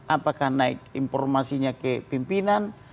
apakah naik informasinya ke pimpinan